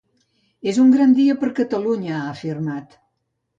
“És un gran dia per Catalunya”, ha afirmat.